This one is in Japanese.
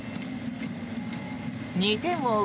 ２点を追う